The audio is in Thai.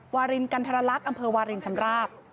วารินกันทรลักษณ์อำเภอวารินชำราบ